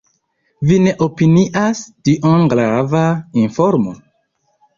Vi ne opinias tion grava informo?